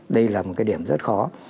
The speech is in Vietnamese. đây là một cái điểm rất khó